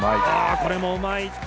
これもうまい。